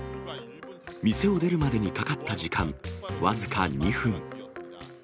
店を出るまでにかかった時間、僅か２分。